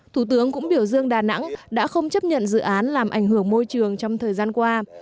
thủ tướng cũng biểu dương đà nẵng đã không chấp nhận dự án làm ảnh hưởng môi trường trong thời gian qua